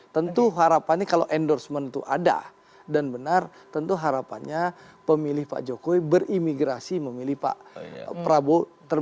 tentu harapannya kalau endorsement itu ada dan benar tentu harapannya pemilih pak jokowi berimigrasi memilih pak prabowo